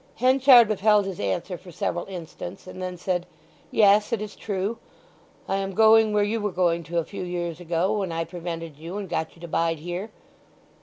Henchard withheld his answer for several instants, and then said, "Yes; it is true. I am going where you were going to a few years ago, when I prevented you and got you to bide here.